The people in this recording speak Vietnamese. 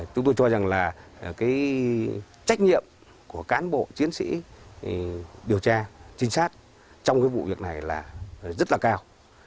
chúng tôi cho rằng là cái trách nhiệm của cán bộ chiến sĩ điều tra trinh sát trong cái vụ việc này là rất là cao